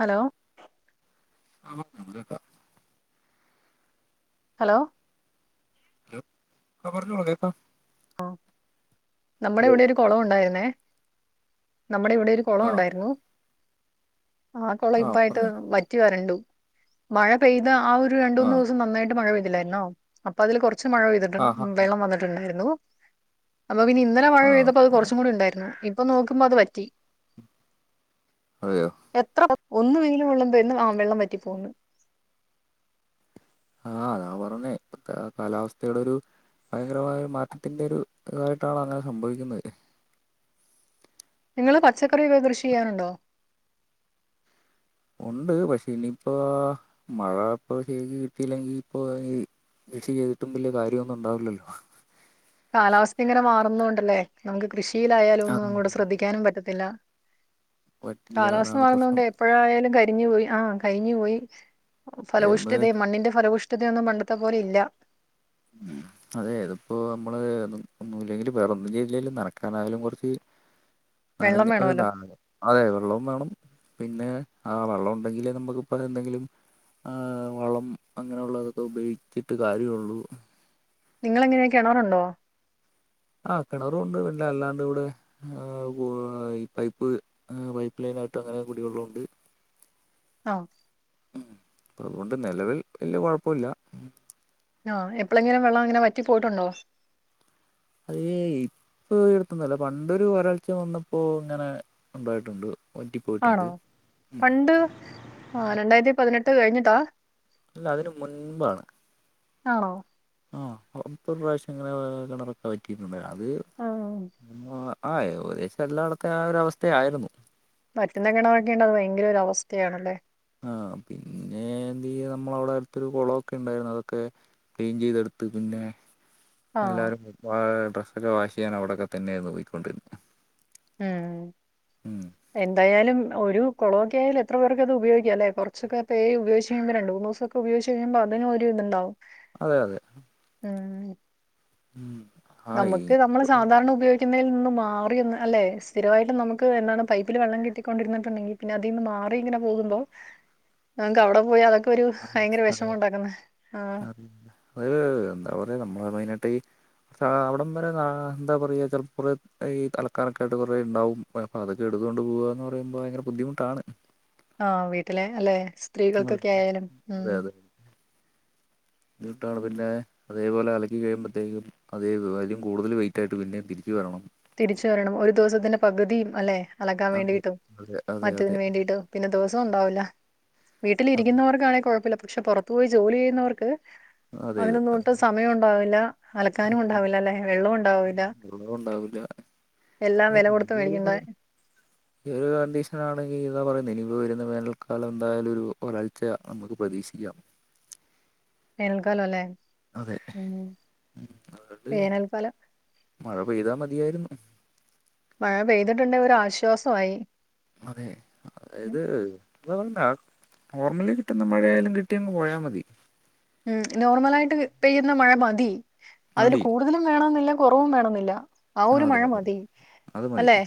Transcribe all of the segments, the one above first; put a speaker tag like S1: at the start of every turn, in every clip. S1: Hello
S2: [unintelligible]
S1: hello
S2: hello ആഹ് പറഞ്ഞോ ആഹ് കേക്കാം.
S1: ആഹ് നമ്മടെ
S2: ഹലോ
S1: ഇവിടെ ഒരു കൊളം ഉണ്ടായിരുന്നെ. നമ്മുടെ ഇവിടെ ഒരു കൊളം
S2: ആ
S1: ഉണ്ടായിരുന്നു. ആ കൊളം ഇപ്പ ആയിട്ട് വറ്റി വരണ്ടു. മഴ പെയ്ത് ആ ഒ രു രണ്ടു
S2: ആ
S1: മൂന്ന് ദിവസം നന്നായിട്ട് മഴ പെയ്തില്ലായിരുന്നോ. അപ്പൊ അതില് കുറച്ച് മഴ
S2: ആ
S1: പെയ്തിട്ട്ണ്ട്.
S2: ആ
S1: വെള്ളം വന്നിട്ടുണ്ടായിരുന്നു. അപ്പൊ പിന്നെ ഇന്നലെ മഴ
S2: ആ
S1: പെയ്തപ്പോ അത്
S2: പിന്നെ
S1: കുറച്ചും കൂടി ഉണ്ടായിരുന്നു. ഇപ്പൊ നോക്കുമ്പോ അത് വറ്റി.
S2: അതെയോ?
S1: എത്ര ഒന്നു വെയില് കൊള്ളുമ്പേൻ ആ വെള്ളം വറ്റി പോകുന്ന്
S2: ആഹ് അതാ പറഞ്ഞേ ഇപ്പത്തെ കാലാവസ്ഥയുടെ ഒരു ഭയങ്കരമായ മാറ്റത്തിന്റെ ഒരു ഉത്തരമായിട്ടാണ് അങ്ങനെ സംഭവിക്കുന്നത്.
S1: നിങ്ങള് പച്ചക്കറിയൊക്കെ കൃഷി ചെയ്യാറുണ്ടോ?
S2: ഉണ്ട് പക്ഷെ ഇനിപ്പോ മഴ ഇപ്പൊ ശരിക്ക് കിട്ടിയില്ലെങ്കി ഇപ്പോ ഈ കൃഷി ചെയ്തിട്ടും വല്യ കാര്യമൊന്നും ഉണ്ടാവില്ലല്ലോ
S1: കാലാവസ്ഥ ഇങ്ങനെ മാറുന്നൊണ്ടന്നെ നമുക്ക് കൃഷിയിലായാലും ഒന്നും
S2: അത്
S1: അങ്ങോട്ട് ശ്രദ്ധിക്കാനും പറ്റത്തില്ല.
S2: പറ്റില്ല
S1: കാലാവസ്ഥ
S2: അതാണ്
S1: മാറുന്നത്
S2: പ്രശ്നം
S1: കൊണ്ട് [unintelligible] എപ്പോഴായാലും കരിഞ്ഞു പോയി. ആ കരിഞ്ഞു പോയി.
S2: അതെ ഒന്ന്
S1: ഫലപുഷ്ടതി മണ്ണിന്റെ ഫലപുഷ് ടതിയൊന്നും പണ്ടത്തെ പോലെ ഇല്ല
S2: ഉം അതെ അതിപ്പോ നമ്മള് ഒന്നുമല്ലേലും വേറെ ഒന്നും ചെയ്തില്ലേലും നനക്കാനായാലും കുറച്ച്
S1: [inaudible]
S2: നനഞ്ഞ്
S1: വേണമല്ലോ
S2: [unintelligible] അതെ വെള്ളോം വേണം. പിന്നെ ആ വെള്ളം ഉണ്ടെങ്കില് നമുക്കിപ്പ എന്തെങ്കിലും ആഹ് വളം അങ്ങനൊള്ളതൊക്കെ ഉപയോഗിച്ചിട്ട് കാര്യവുള്ളൂ.
S1: നിങ്ങളെങ്ങനെയ കെണറുണ്ടോ?
S2: ആഹ് കെണറുണ്ട് പിന്നെ അല്ലാണ്ടിവിടെ ആഹ് വാ ഈ പൈപ്പ് ഏഹ് പൈപ്പ് ലൈനാട്ട് അങ്ങനെ കുടിവെള്ളോണ്ട്.
S1: ആഹ്
S2: അതുകൊണ്ട് നെലവിൽ വെല്ല്യ കൊഴപ്പൊല്ല.
S1: ആഹ് എപ്പളെങ്കിലും വെള്ളങ്ങനെ വറ്റി പോയിട്ടുണ്ടോ?
S2: ഹേയ് ഇപ്പടുത്തന്നല്ല പണ്ടൊരു ഒരാഴ്ച വന്നപ്പോ ഇങ്ങനെ ഉണ്ടായിട്ടുണ്ട്
S1: ആണോ
S2: വറ്റിപ്പോയിട്ടുണ്ട്
S1: പണ്ട് ആഹ് രണ്ടായിരത്തി പതിനെട്ട് കഴിഞ്ഞിട്ടാ?
S2: അല്ല അതിന് മുൻമ്പാണ്.
S1: ആണോ?
S2: ആഹ് ഇപ്പൊരുപ്രാശ്യം ഇങ്ങനെ കിണറൊക്കെ വറ്റിട്ടുണ്ട് അത്
S1: ആഹ്
S2: ആഹ് ആഹ് ഏകദേശം എല്ലാടത്തെ ആ ഒരു അവസ്ഥയായിരുന്നു.
S1: പട്ടിണികെടെക്കേണ്ടത് ഭയങ്കരൊരവസ്ഥയാണല്ലേ?
S2: ആഹ് പിന്നെ എന്തെയ്യ നമ്മളവിടെ അടുത്തൊരു കൊളൊക്കെണ്ടായിരുന്നു അതൊക്കെ ക്ലീൻ ചെയ്തെടുത്ത് പിന്നെ
S1: ആഹ്
S2: എല്ലാരും വാ ഡ്രസ്സക്കെ വാഷ് ചെയ്യാൻ അവിടക്കെ തന്നെയായിരുന്നു പൊയിക്കൊണ്ടിരുന്നത്.
S1: ഉം എന്തായാലും ഒരു കൊളൊക്കെ ആയാല് എത്ര പേർക്ക് അത് ഉപയോഗിക്കാല്ലേ കൊറച്ചൊക്കെ [unintelligible] ഉപയോഗിച്ച് രണ്ടുന്നുസൊ ഉപയോഗിച്ച് കഴിയുമ്പ അതിനു ഒരു ഇത്ണ്ടാവും.
S2: അതെ അതെ.
S1: ഉം
S2: ഉം ആയി
S1: നമ്മക്ക് നമ്മള് സാധാരണ ഉപയോ ഗിക്കിന്നെൽ നിന്നും മാറി ഒന്ന് അല്ലെ സ്ഥിരവായിട്ടും നമുക്ക് എന്താണ് പൈപ്പില് വെള്ളം കിട്ടിക്കൊണ്ടിരിന്നിട്ടുണ്ടെങ്കി. പിന്നെ അതിന്ന് മാറി ഇങ്ങനെ പോകുമ്പോ ഞാങ്‌ക്ക് അവടെ പോയി അതക് ഒരു ഭയങ്കര വെഷമ ഒണ്ടാക്കുന്ന ആഹ്
S2: പിന്ന ആയ്ന് എന്താ പറയ നമ്മള് മെയ്നായിട്ടി ആഹ് അവിടം വരെന്ന എന്താ പറയ ചെൽ കൊറെ ഈ അലക്കാനക്കായിട്ട് കൊറേണ്ടാവും. പ്പ അതക്കെ എടുത്തോണ്ട് പോവാന്ന് പറയുമ്പ ഭയര ബുദ്ധിമുട്ടാണ്.
S1: ആഹ് വീട്ടിലെ അല്ലെ
S2: അതെ
S1: സ്ത്രീകൾക്കക്കെ ആയാലും ഉം
S2: ബുദ്ധിമുട്ടാണ് പിന്നെ അതേപോലെ അലക്കി കഴിയുമ്പത്തേക്കും അതേതു അയിലും കൂടുതല് വെയിറ്റായിട്ട് പിന്നെ തിരിച്ചു വരണം.
S1: തിരിച്ചു വരണം ഒരു ദിവസത്തിന്റെ പകുതിം അല്ലെ അലക്കാൻ
S2: അതെ
S1: വേണ്ടിട്ടും
S2: അതെ അതെ
S1: മറ്റതിന് വേണ്ടിട്ടും പിന്നെ ദിവസോണ്ടാവില്ല
S2: അതെ
S1: വീട്ടിലിരിക്കുന്നവർക്കാണെ കൊഴപ്പില്ല പക്ഷെ പൊറ പോയി ജോലി ചെയ്യുന്നവർക്ക്
S2: അതെ
S1: അതിനൊന്നും ഒട്ടു സമയൊണ്ടാവില്ല അലക്കാനുണ്ടാവില്ല അല്ലെ വെള്ളോണ്ടാവില്ല.
S2: വെള്ളോ ഉണ്ടാവുല്ല
S1: കൊടുത്ത് മേടിക്കേണ്ട
S2: [unintelligible] ഈ ഒരു കണ്ടീഷനാണെങ്കി എന്താ പറയുന്നെ ഇനിപ്പ വെരുന്ന വേനൽക്കാലം എന്തായാലും ഒരു വരൾച്ച നമുക്ക് പ്രതീക്ഷിക്കാം.
S1: വേനൽകാലം അല്ലേ?
S2: അതെ
S1: ഉം
S2: ഉം അതുകൊണ്ട്
S1: വേനൽക്കാലം
S2: മഴ പെയ്താ മതിയാരുന്നു.
S1: മഴ പെയ്തിട്ടുണ്ടെ ഒര് ആശ്വാസായി.
S2: അതെ അതായത് ഏഹ് എന്ത് കൊണ്ട നോർമലി കിട്ടുന്ന മഴയാലും കിട്ടിയങ്ങ് പോയാ മതി.
S1: ഉം നോർമലായിട്ട് പെയ്യുന്ന മഴ മതി അതില്
S2: മതി
S1: കൂട് കൂടുതലും വേണന്നില്ല കൊറവും വേണന്നില്ല ആ ഒരു
S2: അതെ
S1: മഴ
S2: അതെ
S1: മതി,
S2: അത് മതി
S1: അല്ലെ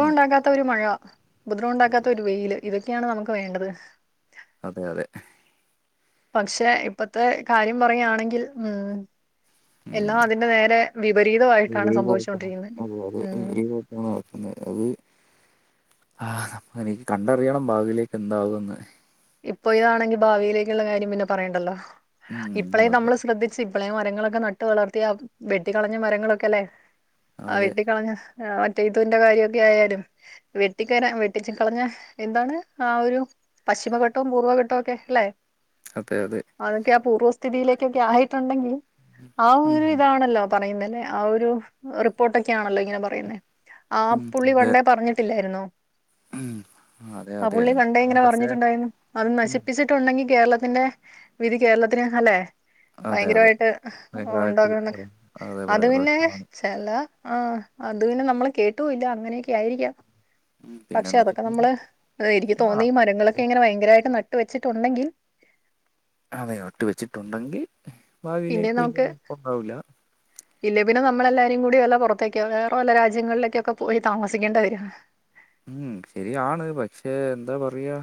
S2: ഉം
S1: ഉണ്ടാകാ ത്ത ഒരു മഴ, ഉപദ്രവം ഉണ്ടാക്കാത്ത ഒരു വെയില് ഇതക്കെയാണ് നമുക്ക് വേണ്ടത്.
S2: അതെ അതെ
S1: പക്ഷെ ഇപ്പത്തെ കാര്യം പറയാണെങ്കിൽ ഉം എല്ലാം അതിന്റെ നേരെ വിപരീതമായിട്ടാണ് സംഭവിച്ചുകൊണ്ടിരിക്കുന്നത് ഉം.
S2: നടക്കുന്നെ അത്. ആഹ് അപ്പ നി കണ്ടറിയണം ഭാവില് എന്താവാന്ന്.
S1: ഇപ്പൊ ഇയാണെങ്കി ഭാവിയിലേക്ള്ള കാര്യം പിന്നെ പറയേണ്ടല്ലോ ഇപ്പളെ
S2: ഉം അതെ
S1: നമ്മള് ശ്രദ്ധി സ് ഇപ്പളെ മരങ്ങളൊക്കെ നട്ട് വളർത്തിയാ വെട്ടിക്കളഞ്ഞ മരങ്ങളൊക്കേല്ലെ ആഹ്
S2: അതെ
S1: വെട്ടിക്കളഞ്ഞ. ആ മറ്റേ ഇതിന്റെ കാര്യഒക്കെ ആയാലും വെട്ടിക്കയിഞ്ഞ വെട്ടി കളഞ്ഞ എന്താണ് ആഹ് ഒരു പശ്ചിമ കൊ ട്ടോ പൂർവഘട്ടോക്കെ ഇല്ല.
S2: അതെ അതെ.
S1: അതൊക്കെ ആഹ് പൂർവ്വസ്ഥിതിയിലേക്കൊക്കെ ആയിട്ടുണ്ടെങ്കി ആഹ്
S2: ഉം
S1: ഒരു ഇതാണല്ലോ. പറയുന്നല്ലേ ആഹ് ഒരു റിപ്പോർട്ടൊക്കെ ആഹ്ണല്ലോ ഇങ്ങനെ പറയുന്ന ആ
S2: ഉം
S1: പുള്ളി
S2: അതെ
S1: പണ്ടെ പറഞ് ല്ലായിരുന്നോ
S2: ഉം അതെ
S1: ആഹ്
S2: അതെ
S1: പുള്ളി പണ്ടേ
S2: എന്നാ
S1: ഇങ്ങനെ
S2: പക്ഷെ
S1: പറഞ്ഞിട്ടുണ്ടായിന്നു. അത് നശിപ്പിച്ചിട്ടുണ്ടെങ്കി കേരളത്തിന്റെ വിധി കേരളത്തിന് അല്ലെ.
S2: അതെ അതെ
S1: ഭയങ്കരമായിട്ട്
S2: ഭയങ്കരമായിട്ട്
S1: ഉണ്ടാകുംന്നൊക്കെ
S2: പറയാം. അതെ
S1: അത്
S2: പറയാ
S1: പിന്നെ.
S2: പ്രശ്നമാണ്
S1: എല്ല ആഹ് അത് പിന്നെ നമ്മള് കേട്ടൂല്ല അങ്ങനെയൊക്കെ ആയിരിക്കാം.
S2: ഉം,
S1: പക്ഷെ
S2: പിന്നെന്ന് വെച്ച്
S1: അതൊക്കെ
S2: കഴിഞ്ഞാൽ
S1: നമ്മള് എനിക്ക്
S2: ആ
S1: തോന്നി ഈ മരങ്ങളൊക്കെ ഇങ്ങനെ ഭയങ്കരായിട്ട് നട്ട് വെച്ചിട്ടുണ്ടെങ്കി.
S2: അതെ നട്ട് വെച്ചിട്ടുണ്ടെങ്കി
S1: പിന്നെ
S2: ഭാവിയിലേക്ക്
S1: നമുക്ക്
S2: വല്യേഴപ്പണ്ടാവൂല്ല.
S1: ഇല്ലേ പിന്നെ നമ്മളല്ലാരും കൂടി വല്ല പൊറത്തേക്കോ വേറെ വല്ല രാജ്യങ്ങളിലേക്കൊക്കെ പോയി താമസിക്കേണ്ടി വരും.
S2: ഉം ശരിയാണ് പക്ഷെ എന്താ പറയാ.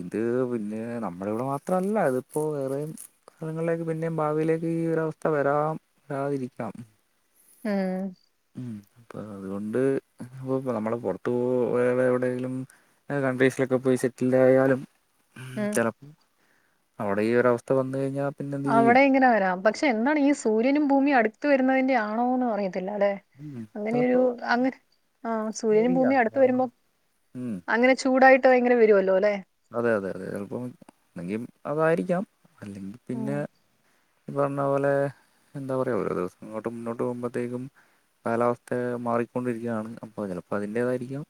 S2: ഇത് പിന്നെ നമ്മൾടെ മാത്ര അല്ല ഇത്പ്പൊ വേറേം. സ്ഥലങ്ങളിലേക്ക് പിന്നേം ഭാവിയിലേക്ക് ഈ ഒരവസ്ഥ വരാം വരാതിരിക്കാം.
S1: ഉം.
S2: ഉം അപ്പ അതു കൊണ്ട് ഇപ്പ അമ്മള് പൊറത്തു പോവോ വേറെ എവിടെലും. കൺട്രീസിലൊക്കെ പോയി സെറ്റിലായാലും
S1: ഉം
S2: ചെലപ് അവടെ ഈ ഒരവസ്ഥ വന്ന് കഴിഞ്ഞാ
S1: അവിടെ ഇങ്ങനെ വരാം പക്ഷെ എന്താണ് ഈ സൂര്യനും ഭൂമിം അടുത്ത് വരുന്നതിന്റെ ആണോന്നും അറിയത്തില്ലല്ലെ.
S2: ഉം
S1: അങ്ങനൊരു
S2: ചിലപ്പോ
S1: അങ്ങനെ ആഹ് സൂര്യനും ഭൂമി അടുത്ത് വരുമ്പോ
S2: ഉം
S1: അങ്ങനെ. ചൂടായിട്ട് ഭയങ്കര വരോല്ലോല്ലെ.
S2: അതെ അതെ അതെ ചെൽപ്പം അല്ലങ്കി അതായിരിക്കാം അല്ലെങ്കി
S1: ഉം.
S2: പിന്നെ. ഈ പറഞ്ഞ പോലെ എന്താ പറ ഓരോ ദിവസം ഇങ്ങോട്ട് മുന്നോട്ട് പോവുമ്പത്തേക്കും. കാലാവസ്ഥ മാറിക്കൊണ്ടിരിക്ക ആണ് അപ്പൊ ചെലപ്പോ അതിൻന്റേതായിരിക്കാം.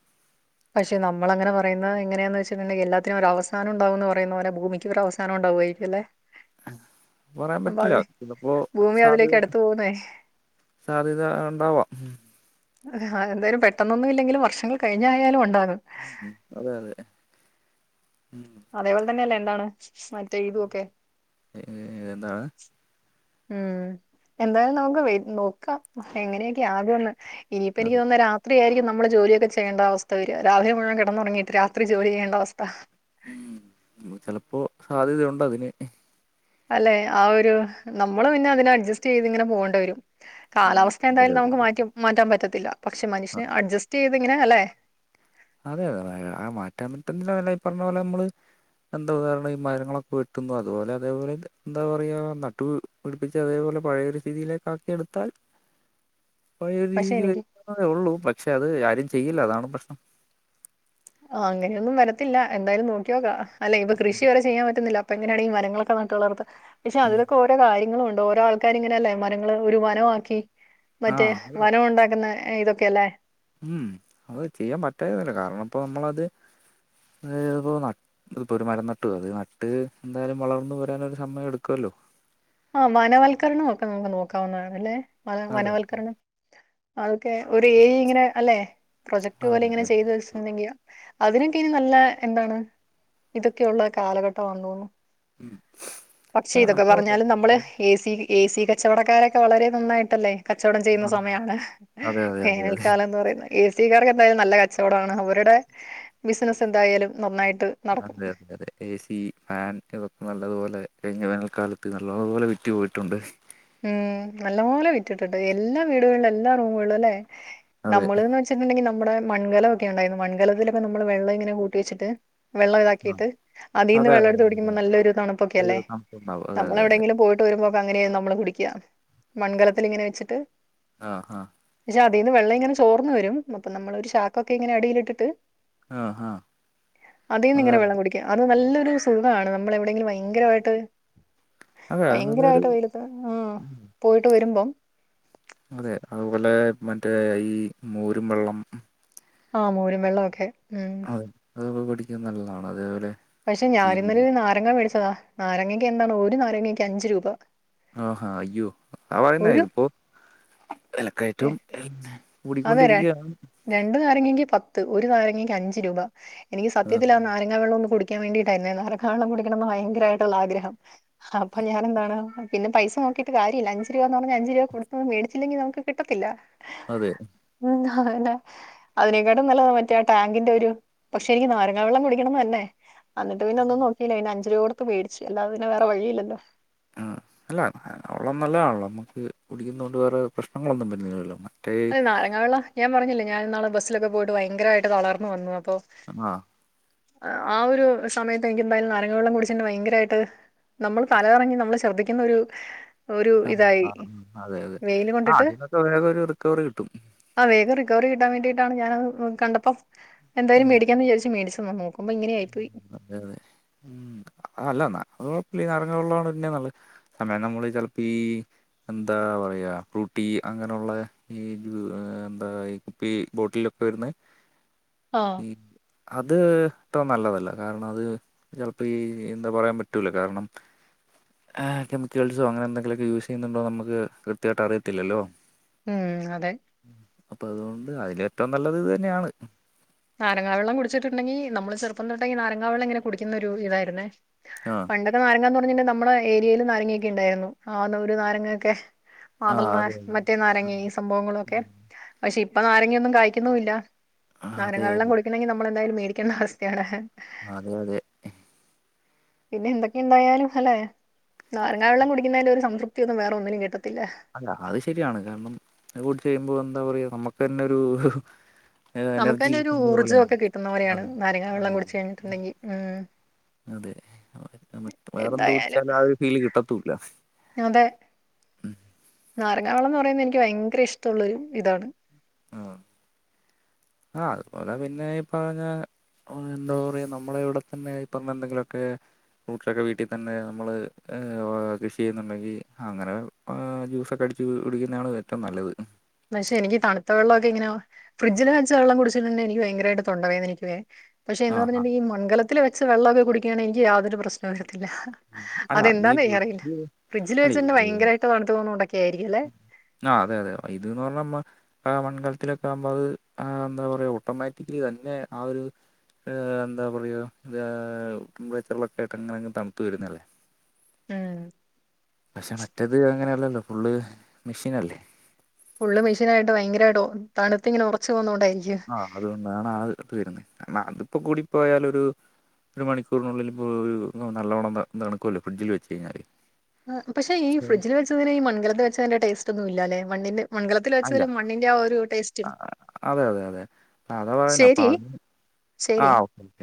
S1: പക്ഷെ നമ്മളങ്ങനെപറയുന്ന എങ്ങനെന്ന് വെച്ചിട്ടുണ്ടെങ്കി എല്ലാത്തിനും ഒരവസാനംണ്ടാവു പറയുന്ന പോലെ ഭൂമിക്ക് അവസ സാന ണ്ടാവോയിരിക്കല്ലേ.
S2: പറയാം പറ്റില്ല ചെലപ്പോ
S1: ഭൂമി
S2: സാധ
S1: അതിലേക്ക് അടുത്ത് പോകുന്നേ
S2: സാധ്യത ഉണ്ടാവാം.
S1: അഹ് എന്തായാലും പെട്ടന്നൊ ന്നുല്ലെങ്കിലും വർഷങ്ങൾ കഴിഞ്ഞായാലും ഉണ്ടാകും.
S2: ഉം അതെ അതെ ഉം.
S1: അതേപോലെ തന്നെ അല്ലേ എന്താണ് മറ്റേ ഇതുവൊക്കെ.
S2: ഏതാണ്?
S1: ഉം എന്തായാലും നമുക്ക് വെയ് നോക്കാം എങ്ങനൊക്കെ ആകുഎന്ന്. ഇനിയിപ്പ എനിക്ക്
S2: അത്
S1: തോന്നുന്ന് രാ ത്രിയായിരിക്കും നമ്മള് ജോലിയൊക്കെ ചെയ്യേണ്ട അവസ്ഥ വരാ രാവിലെ മുഴുവൻ കിടന്നുറങ്ങിട്ട് രാത്രി ജോലി ചെയ്യേണ്ട അവസ്ഥ.
S2: ഉം ഉം ചെലപ്പോ സാധ്യതയുണ്ടതിന്.
S1: അല്ലെ ആഹ് ഒരു നമ്മള് പിന്നെ അതിന് അഡ്ജസ്റ്റ് ചെയ്ത് ഇങ്ങനെ പോവണ്ടി വരും. കാലാവസ്ഥ
S2: അതെ
S1: എന്തായാലും
S2: അതെ
S1: നമുക്ക് മാറ്റി മാറ്റാൻ പറ്റത്തില്ല പക്ഷെ
S2: ആ,
S1: മനുഷ്യന് അഡ്ജസ്റ്റ് ചെയ്തിങ്ങനെ അല്ലെ.
S2: അതെ അതെ ആഹ് മാറ്റാൻ പറ്റാ വല്ല ഈ പറഞ്ഞ പോലെ നമ്മള്. എന്തോ കാരണം ഈ മരങ്ങളൊക്കെ വെട്ടുന്നു അതുപോലെ അതേപോലെ എന്താ പറയാ നട്ടു. വിളിപ്പിച്ച് അതേപോലെ പഴയൊരു സ്ഥിതിയിലേക്കാക്കിയെടുത്താൽ.
S1: [inaudible]
S2: പഴയ ഒരു
S1: പക്ഷെ
S2: രീതിക്ക്
S1: എനിക്ക്
S2: വന്നതെ ഒള്ളൂ പക്ഷെ അത് ആരും ചെയ്യില്ല അതാണ് പ്രഷ്ണം.
S1: ആഹ് അങ്ങനെയൊന്നും വരത്തില്ല എന്തായാലും നോക്കിനോക്കാം അല്ല ഇപ്പ കൃഷി വരെ ചെയ്യാൻ പറ്റന്നില്ല അപ്പെങ്ങനെയാണി മരങ്ങളൊക്കെ നട്ട് വളർത്ത പക്ഷെ അതിലൊക്കെ ഓരോ കാര്യങ്ങളുണ്ട് ഓരോ ആൾ ക്കാര് ഇങ്ങനെല്ലേ മരങ്ങളെ ഒരു വനവാക്കി
S2: ആ
S1: മറ്റേ വനൊണ്ടാക്കുന്ന ഇതൊക്കെല്ലേ
S2: മ്മ് അത് ചെയ്യാൻ പറ്റായിരുന്നില്ല കാരണപ്പ നമ്മളത് ഏഹ് ന ഇപ്പൊരു മരം നട്ടു അത് നട്ട് എന്തായാലും വളർന്നു വരാനൊരു സമയെടുക്കുവല്ലോ
S1: ആ വനവൽക്കരണൊക്കെ നമുക്ക് നോക്കാവുന്നതാണ് അല്ലേ
S2: അതെ
S1: വനവൽക്കരണം അതൊക്കെ ഒരു ഏരിയിങ്ങനെ അല്ലെ പ്രൊജക്ട് പോലെ ഇങ്ങനെ
S2: അതെ
S1: ചെയ്ത് വെച്ചിട്ടിട്ടെങ്കി അതിനെക്കെ ഇനി നല്ല എന്താണ് ഇതൊക്കെയുള്ള കാലഘട്ടമാന്ന് തോന്നണു പക്ഷെ
S2: അതെ
S1: ഇതൊക്കെ
S2: നമ്മള്
S1: പറഞ്ഞാലും നമ്മ എസി എസി കച്ചവടക്കാരക്കെ വളരെ നന്നായിട്ടല്ലേ കച്ചവടം ചെയ്യുന്ന സമയാണ്
S2: അതെ അതെ അതെ അതെ
S1: വേനൽക്കാലെന്ന് പറയുന്ന എസിക്കാർക്ക് എന്തായാലും നല്ല കച്ചവടമാണ് അവരുടെ ബിസിനസ്സ് എന്തായാലും നന്നായിട്ട് നടക്കും
S2: അതെ അതെ അതെ എസി ഫാൻ ഇതൊക്കെ നല്ലതുപോലെ കഴിഞ്ഞ വേനൽക്കാലത്ത് നല്ലതുപോലെ വിറ്റു പോയിട്ടുണ്ട്
S1: മ്മ് നല്ലപോലെ വിറ്റിട്ടുണ്ട് എല്ലാ വീടുകളിലും എല്ലാ റൂമുകളിലുല്ലെ
S2: അതെ
S1: നമ്മള് വെച്ചിട്ടുണ്ടെങ്കി നമ്മടെ മൺകലൊക്കെ ഉണ്ടായിരുന്നു മൺകലത്തിലൊക്കെ നമ്മള് വെ വെള്ളം ഇങ്ങനെ കൂട്ടി വച്ചിട്ട് വെള്ളം
S2: ആ
S1: ഇതാക്കിയിട്ട് അതിന്ന്
S2: അതെ അതെ
S1: വെള്ളെടുത്ത്
S2: അതെ
S1: കുടിക്കുമ്പ നല്ല ഒരു
S2: അതെ
S1: തണുപ്പൊക്കെല്ലേ
S2: ഒരു തണുപ്പുണ്ടാവും അതെ അതെ അതെ
S1: നമ്മളെവിടെയെങ്കിലും പോയിട്ട് ട്ട് വരുമ്പോക്കങ്ങനെയാ നമ്മള് കുടിക്ക മൺകലത്തിലിങ്ങനെ വെച്ചിട്ട്
S2: ആഹ് ആഹ്
S1: പക്ഷേ അതിന്ന് വെള്ളയിങ്ങനെ ചോർന്ന് വരും അപ്പ നമ്മളൊരു ചാക്കക്കൊയിങ്ങനെ അടിയിലിട്ടിട്ട്
S2: ആഹ് ആഹ്
S1: അതിന്നിങ്ങനെ വെള്ളം കുടിക്കാം അത് നല്ലൊരു സുഖാണ് നമ്മളെവിടെങ്കിലും ഭയങ്കരായിട്ട്
S2: അതെ അത് നല്ലൊരു
S1: ഭയങ്കരായിട്ട് വെയിലത്ത് ആ പോയിട്ട് വരുമ്പം
S2: അതെ അതുപോലെ മറ്റേ ഈ മോരും വെള്ളം
S1: ആ മോരും വെള്ളൊക്കെ മ്മ്
S2: അതെ അതൊക്കെ കുടിക്കാൻ നല്ലതാണ് അതേപോലെ
S1: പക്ഷെ
S2: ഈ
S1: ഞാനിന്നലൊരു നാരങ്ങ മേടിച്ചതാ നാരങ്ങക്കെന്താണ് ഒരു നാരങ്ങക്ക് അഞ്ചു രൂപ
S2: ആഹാ അയ്യോ
S1: ഒരു
S2: അവാനയിപ്പോ
S1: ഏ,
S2: വെലക്കയറ്റവും
S1: അതെ ര-
S2: കൂടിക്കൊണ്ടിരിക്കയാണ്
S1: രണ്ട് നാരങ്ങക്ക് പത്ത് ഒരു നാരങ്ങക്ക് അഞ്ചു രൂപ എനിക്ക് സത്യത്തില് ആ നാരങ്ങ വെള്ളൊന്ന് കുടി ക്കാൻ വേണ്ടീയിട്ടായിരുന്നേ നാരക്കാ വെള്ളം കുടിക്കണൊന്ന് ഭയങ്കരായിട്ടുള്ള ആഗ്രഹം അപ്പ ഞാനെന്താണ് പിന്നെ പൈസ നോക്കിട്ട് കാര്യില്ല അഞ്ച് രൂപേന്ന് പറഞ്ഞ അഞ്ചു രൂപ കൊടുത്തത് മേടിച്ചില്ലെങ്കി നമുക്ക് കിട്ടത്തില്ല
S2: അതെ
S1: എന്താണേ അതിനേക്കാട്ട് നല്ലത് മറ്റേ ആ ടാങ്കിന്റെ ഒരു പക്ഷെ എനിക്ക് നാരങ്ങ വെള്ളം കുടിക്കണൊന്ന് തന്നെ അന്നിട്ട് പിന്നൊന്നും നോക്കില്ല പിന്നെ അഞ്ച് രൂപ കൊടുത്ത് മേടിച്ച് അല്ലാതെ പിന്നെ വേറെ വഴിയില്ലല്ലോ
S2: ആ അല്ല നാരങ്ങാവെള്ളം നല്ലതാണല്ലോ നമുക്ക് കുടിക്കുന്നോണ്ട് വേറെ പ്രശ്നങ്ങളൊന്നും വരുന്നില്ലല്ലോ മറ്റേ
S1: അല്ല നാരങ്ങാവെള്ളം ഞാൻ പറഞ്ഞില്ലേ ഞാനിന്നാള് ബസ്സിലൊക്കെ പോയിട്ട് ഭയങ്കരായിട്ട് തളർന്ന് വന്നു അപ്പോ-
S2: ആ [unintelligible]
S1: ആ ഒരു സമയത്ത് എനിക്കെന്തായാലും നാരങ്ങാവെള്ളം കുടിച്ചിണ്ട് ഭയങ്കരായിട്ട്- നമ്മള് തലകറങ്ങി നമ്മള് ശർദ്ധിക്കുന്നൊരു-
S2: ആഹ് ആ അതെ അതെ ആ
S1: കൊണ്ടിട്ട്
S2: അതിനൊക്കെ വേഗമൊരു റിക്കവറി കിട്ടും
S1: ആ വേഗം റിക്കവറി കിട്ടാൻ വേണ്ടിയിട്ടാണ് ഞാനത് കണ്ടപ്പം എന്തായാലും
S2: ഉം
S1: മേടിക്കാന്ന് വിചാരിച്ച് മേടിച്ച് ഒന്ന് നോ ക്കുമ്പോ ഇങ്ങനായി പോയി
S2: അതെ അതെ ഉം ആ അല്ല അത് കൊഴപ്പില്ല ഈ നാരങ്ങാവെള്ളം പിന്നെ നല്ലത് [unintelligible] ചെലപ്പ ഈ എന്താ പറയ്ക ഫ്രൂട്ടീ അങ്ങനെയുള്ള ഈ എന്താ ഈ കുപ്പി ബോട്ടില വരുന്നേ-
S1: ആഹ്
S2: അത്- അത്ര നല്ലതല്ല റ്റവും കാരണം അത് ചെലപ്പോ ഈ എന്താ പറയാൻ പറ്റൂല കാരണം- ആഹ് കെമിക്കൽസോ അങ്ങനെ എന്തെങ്കിലുക്കെ യൂസ് ചെയ്യുന്നുണ്ടോന്ന് നമുക്ക് കൃത്യയിട്ട് അറിയത്തില്ലല്ലോ.
S1: ഉം അതെ
S2: അപ്പൊ അതുകൊണ്ട് അതിൽ ഏറ്റവും നല്ലത് ഇത് തന്നെയാണ്
S1: നാരങ്ങാവെള്ളം കുടിച്ചിട്ടുണ്ടെങ്കിൽ നമ്മള് ചെറുപ്പം തൊട്ടെ നാരങ്ങാവെള്ളം ഇങ്ങനെ കുടിക്കുന്നൊ ഒരു ഇതായിന്നേ
S2: ആഹ്
S1: പണ്ടൊക്കെ നാരങ്ങാന്ന് പറഞ്ഞിട്ടുണ്ടെ നമ്മുടെ ഏരിയായിൽ നാരങ്ങൊക്കെ ഉണ്ടായിരുന്നു ആ ഒരു നാരങ്ങൊക്കെ- മാതള
S2: ആഹ് അതെ
S1: നാരങ്ങ മറ്റേ നാരങ്ങ ഈ സംഭവങ്ങളൊക്കെ പക്ഷെ ഇപ്പൊ നാരങ്ങൊന്നും കായ്ക്കുന്നുവില്ല.
S2: അതെ
S1: നാരങ്ങ വെള്ളം കുടിക്കണെങ്കിൽ നമ്മള് എന്തായാലും മേടിക്കണ്ട അവസ്ഥയാണ്
S2: അതെ അതെ
S1: പിന്നെ എന്തൊക്കെ ഉണ്ടായാലും അല്ലെ നാരങ്ങാ വെള്ളം കുടിക്കുന്നതിന്റെ ഒരു സംതൃപ്തി ഒന്നും വേറെ ഒന്നിനും കിട്ടത്തില്ല
S2: അല്ല അത് ശരിയാണ് കാരണം കുടിച്ച് കഴിയുമ്പോ എന്താ പറയാ നമുക്ക് തന്നെ ഒരു-
S1: നമുക്ക്
S2: എനർജി
S1: തന്നെ ഒരു
S2: കിട്ടുന്നത്
S1: ഊർജ്ജം
S2: പോലെയാണ്
S1: ഒക്കെ കിട്ടുന്നപൊലെയാണ്
S2: അതെ
S1: നാരങ്ങ വെള്ളം
S2: അതെ
S1: കുടിച്ച് കഴിഞ്ഞിട്ടുണ്ടെങ്കിൽ ഉം
S2: അതെ വേറെ എന്തോ
S1: എന്തായാലും
S2: കുടിച്ചാലും ആ ഒരു ഫീല് കിട്ടത്തൂല്ല
S1: അതെ നാരങ്ങാവെള്ളംയെന്ന് പറയുന്നത് എനിക്ക് ഭയങ്കര ഇഷ്ടമുള്ളരു ഇതാണ്.
S2: ആഹ് അതുപോലെ പിന്നെ ഈ പറഞ്ഞ- എന്താ പറയാ നമ്മളെ ഇവിടെത്തന്നെ ഇപ്പൊ അങ്ങനെ എന്തെങ്കിലുമൊക്കെ- ഫ്രൂട്ട്സൊക്കെ വീട്ടിൽ തന്നെ നമ്മള് കൃഷി ചെയ്യുന്നുണ്ടെങ്കിൽ അങ്ങനെ- ആ ജ്യൂസൊക്കെ അടിച്ച് കുടിക്കുന്നതാണ് ഏറ്റവും നല്ലത്
S1: പക്ഷെ എനിക്ക് തണുത്ത വെള്ളം ഒക്കെ ഇങ്ങനെ ഫ്രിഡ്ജില് വെള്ളം കുടിച്ചിട്ടുണ്ടെിൽ എനിക്ക് ഭയങ്കരമായിട്ട് തൊണ്ട വേദനിക്കുവേ പക്ഷേ
S2: ആ
S1: എന്ന്
S2: ആ
S1: പറഞ്ഞിട്ട ഈ മൺകലത്തില് വെച്ച വെള്ളമൊക്കെ കുടിക്കയാണങ്കി എനിക്ക് യാതൊരു പ്രശ്നം വരുത്തില്ല
S2: അല്ല ഈ
S1: അതെന്താന്നേ അറിയില്ല
S2: വെജ്
S1: ഫ്രിഡ്ജില്
S2: അല്ല
S1: വെച്ച് തന്നെ
S2: ഈ-
S1: ഭയങ്കരമായിട്ട് തണുത്ത് പോന്നൊണ്ട് ഒക്കെ ആയിരിക്കല്ലോ
S2: ആ അതെ അതെ ഇത് പറഞ് നമ്മ - ആ മൺകലത്തിലൊക്കെ ആകുമ്പോ അത് എന്താ പറയാ ഓട്ടോമാറ്റിക്കലി തന്നെ ആ ഒരു- എന്താ പറയുക ഇത് ടെമ്പറേച്ചറിലൊക്കെ ആയിട്ട് അങ്ങനെ തണുപ്പ് വരുന്നതല്ലേ
S1: ഉം
S2: പക്ഷെ മറ്റത് അങ്ങനെയല്ലല്ലോ ഫുള്ള് മെഷീൻനല്ലേ
S1: ഫുള്ള് മെഷീനായിട്ട് ഭയരമായിട്ട് തണുത്തി ഇങ്ങന ഉറച്ച് വന്നുകോണ്ടായിരിക്കും
S2: ആഹ് അതുകൊണ്ടാണ് ആ അത് വരുന്നത് കാരണം അതിപ്പോ കൂടിപ്പോയാലൊരു ഒരു മണിക്കൂറിനുള്ളിൽ ഇപ്പോൾ ഒരു നല്ലവണം ത തണുക്കുവല്ലോ ഫ്രിഡ്ജിൽ വെച്ച് കഴിഞ്ഞാല്.
S1: ആ പക്ഷേ ഈ ഫ്രീഡ്ജിൽ വെച്ചതിന് ഈ മൺകലത്ത് വെച്ചതിന്റെ ടേസ്റ്റ് ഒന്നും ഇല്ലലേ മണ്ണിന്റെ മൺകലത്തിൽ
S2: അല്ല
S1: വെച്ചതിലും മണ്ണിന്റെ ആ ഒരു ടേസ്റ്റും
S2: അ അതെ അതെ അതെ അത പറയുന്ന അപ്പ
S1: ശരി
S2: അ ആ
S1: ശരി
S2: ഓക്കെ